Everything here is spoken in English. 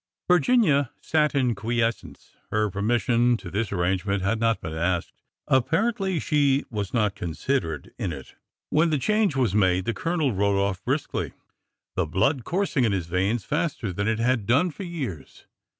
Virginia sat in quiescence. Her permission to this arrangement had not been asked. Apparently, she was not considered in it. 396 ORDER NO. 11 When the change was made, the Colonel rode off briskly, the blood coursing in his veins faster than it had done for years.